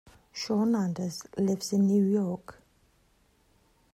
Sean Landers lives in New York.